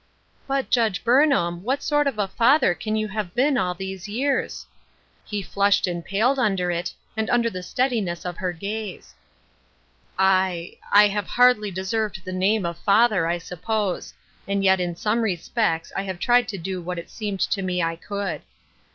" But, Judge Burnham, what sort of a father can you have been all these years ?" He flushed and paled under it, and under the steadiness of her gaze. "I — I have hardly deserved the name of father, I suppose, and yet in some respects I have tried to do what it seemed to me I could.